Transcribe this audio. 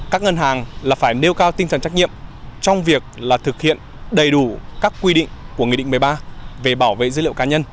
các ngân hàng là phải nêu cao tinh thần trách nhiệm trong việc là thực hiện đầy đủ các quy định của nghị định một mươi ba về bảo vệ dữ liệu cá nhân